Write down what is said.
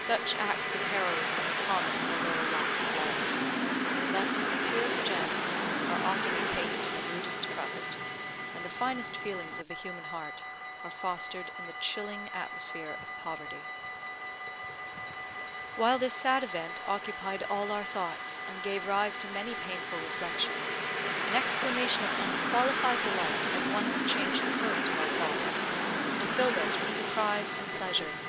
Such acts of heroism are common in the lower walks of life. Thus, the purest gems are often encased in the rudest crust; and the finest feelings of the human heart are fostered in the chilling atmosphere of poverty. While this sad event occupied all our thoughts, and gave rise to many painful reflections, an exclamation of unqualified delight at once changed the current of our thoughts, and filled us with surprise and pleasure.